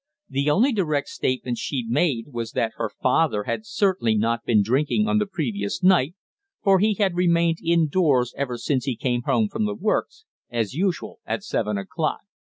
The only direct statement she made was that her father had certainly not been drinking on the previous night, for he had remained indoors ever since he came home from the works, as usual, at seven o'clock.